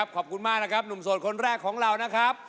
ขอบคุณมากนะครับหนุ่มโสดคนแรกของเรานะครับ